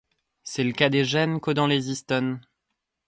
C'est le cas des gènes codant les histones.